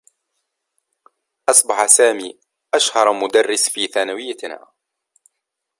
أصبح سامي أشهر مدرّس في ثانويّتنا.